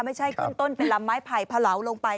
ไม่ใช่ขึ้นต้นเป็นลำไม้ไผ่พอเหลาลงไป